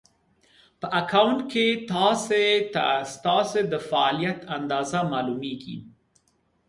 په اکونټ کې ناسې ته ستاسې د فعالیت اندازه مالومېږي